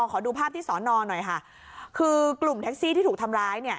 ขอดูภาพที่สอนอหน่อยค่ะคือกลุ่มแท็กซี่ที่ถูกทำร้ายเนี่ย